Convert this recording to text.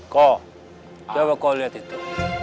kok siapa kok liat itu